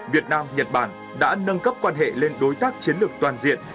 việt nam nhật bản đã nâng cấp quan hệ lên đối tác chiến lược toàn diện